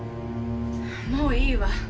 もういいわ。